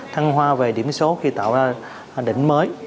thăng hoa về điểm số khi tạo ra đỉnh mới